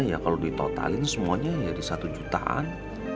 ya kalau ditotalin semuanya jadi satu jutaan